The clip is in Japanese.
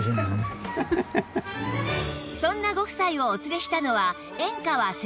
そんなご夫妻をお連れしたのは圓川整骨院